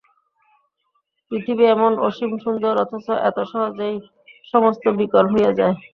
পৃথিবী এমন অসীম সুন্দর অথচ এত সহজেই সমস্ত বিকল হইয়া যায়।